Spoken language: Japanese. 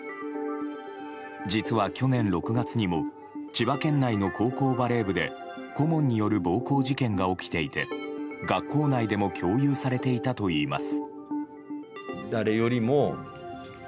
実は、去年６月にも千葉県内の高校バレー部で顧問による暴行事件が起きていて学校内でも共有されていたといいます。